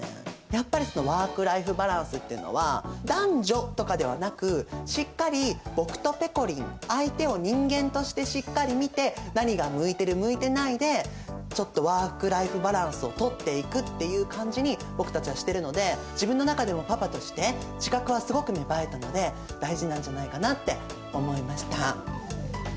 やっぱりそのワーク・ライフ・バランスっていうのは男女とかではなくしっかり僕とぺこりん相手を人間としてしっかり見て何が向いてる向いてないでちょっとワーク・ライフ・バランスをとっていくっていう感じに僕たちはしてるので自分の中ではパパとして自覚はすごく芽生えたので大事なんじゃないかなって思いました。